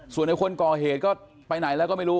ส่วนในคนก่อเหตุก็ไปไหนแล้วก็ไม่รู้